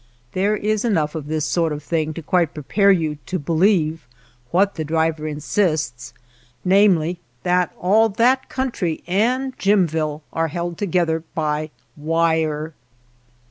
There is enough of this sort of thing to quite prepare you to believe what the driver insists, namely, that all that country and Jimville are held together by wire.